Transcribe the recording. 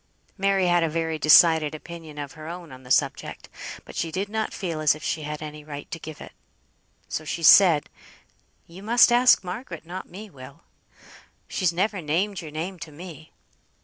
Mary had a very decided opinion of her own on the subject, but she did not feel as if she had any right to give it. So she said "You must ask Margaret, not me, Will; she's never named your name to me."